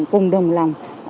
cùng đồng lòng